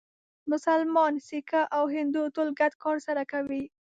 مسلمان، سیکه او هندو ټول ګډ کار سره کوي.